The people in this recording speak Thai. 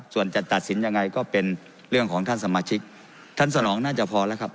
ส่วนจะตัดสินยังไงก็เป็นเรื่องของท่านสมาชิกท่านสนองน่าจะพอแล้วครับ